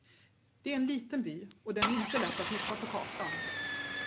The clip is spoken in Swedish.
Det är en liten by, och den är inte lätt att hitta på kartan.